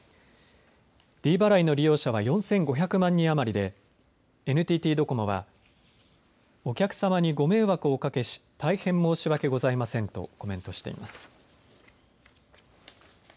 ｄ払いの利用者は４５００万人余りでＮＴＴドコモはお客様にご迷惑をおかけし大変申し訳ございませんとコメントしています。